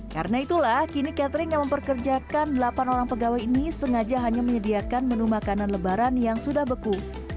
karena itulah kini catering yang memperkerjakan delapan orang pegawai ini sengaja hanya menyediakan menu makanan lebaran yang sudah beku